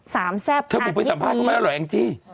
สามแซบพาทีนี้ถ้าผมไปสัมภาษณ์ก็ไม่ได้หรอกเองจิ